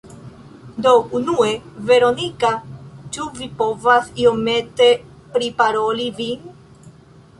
Do unue, Veronika, ĉu vi povas iomete priparoli vin?